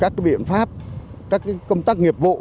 các cái biện pháp các cái công tác nghiệp vụ